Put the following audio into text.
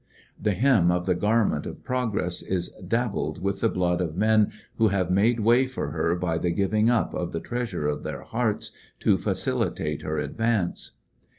198 'Missionary in t^ Great West The hem of the garment of Progress is dabbled with the blood of men who have made way for her by the giving up of the treasure of their hearts to facilitate her ad yance.